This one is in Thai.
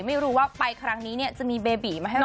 ไม่รู้ว่าไปครั้งนี้เนี่ยจะมีเบบีมาให้เรา